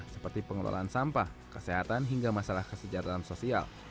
seperti pengelolaan sampah kesehatan hingga masalah kesejahteraan sosial